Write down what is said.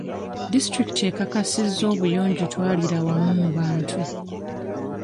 Disitulikiti ekakasizza obuyonjo twalirawamu mu bantu.